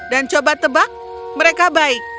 dan coba tebak mereka baik